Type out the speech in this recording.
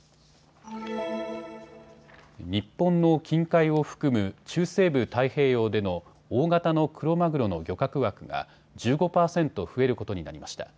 日本の近海を含む中西部太平洋での大型のクロマグロの漁獲枠が１５％増えることになりました。